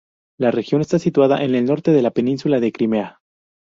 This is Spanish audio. La región está situada en el norte de la península de Crimea.